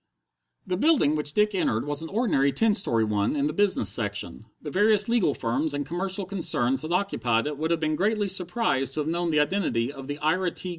The building which Dick entered was an ordinary ten story one in the business section; the various legal firms and commercial concerns that occupied it would have been greatly surprised to have known the identity of the Ira T.